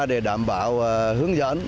để đảm bảo hướng dẫn